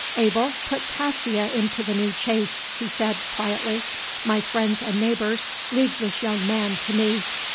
"Abel, put Cassia into the new chaise," he said, quietly. "My friends and neighbors, leave this young man to me."